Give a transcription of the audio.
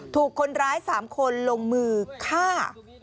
ถูกคนร้าย๓คนลงมือฆ่า